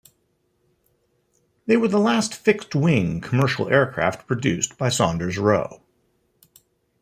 They were the last fixed-wing commercial aircraft produced by Saunders-Roe.